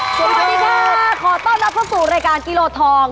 สวัสดีค่ะขอต้อนรับเข้าสู่รายการกิโลทอง